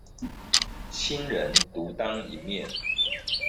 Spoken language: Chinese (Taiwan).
新人獨當一面